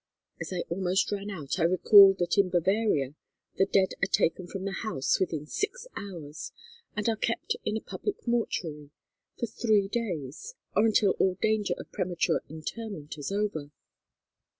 As I almost ran out I recalled that in Bavaria the dead are taken from the house within six hours, and are kept in a public mortuary for three days, or until all danger of premature interment is over.